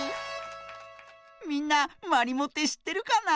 みんなまりもってしってるかな？